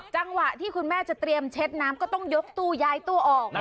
จังหวะที่คุณแม่จะเตรียมเช็ดน้ำก็ต้องยกตู้ย้ายตู้ออก